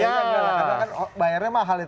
karena kan bayarnya mahal itu